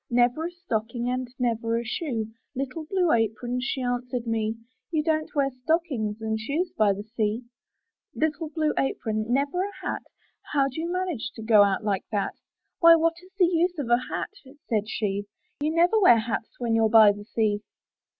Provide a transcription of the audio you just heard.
Never a stocking And never a shoe! Little Blue Apron She answered me, ''You don't wear stockings And shoes by the sea/' Little Blue Apron — Never a hat? How do you manage To go out like that? ''Why, what is the use Of a hat?*' said she, "You never wear hats When you're by the sea."